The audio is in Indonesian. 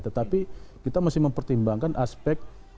tetapi kita masih mempertimbangkan aspek